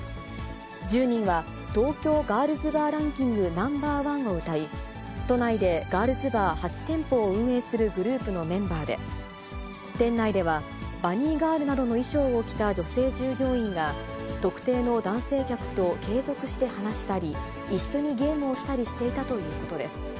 １０人は東京ガールズバーランキングＮｏ．１をうたい、都内でガールズバー８店舗を運営するグループのメンバーで、店内では、バニーガールなどの衣装を着た女性従業員が、特定の男性客と継続して話したり、一緒にゲームをしたりしていたということです。